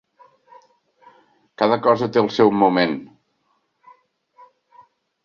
Cada cosa té el seu moment.